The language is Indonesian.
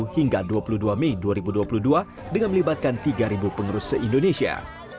dua puluh hingga dua puluh dua mei dua ribu dua puluh dua dengan melibatkan tiga pengurus se indonesia